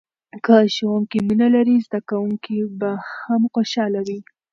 که ښوونکی مینه لري، زده کوونکی به هم خوشحاله وي.